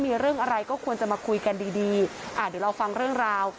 มีเรื่องอะไรก็ควรจะมาคุยกันดีดีอ่าเดี๋ยวเราฟังเรื่องราว